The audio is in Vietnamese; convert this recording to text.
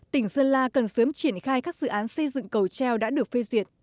tỉnh sơn la cần sớm triển khai các dự án xây dựng cầu treo đã được phê duyệt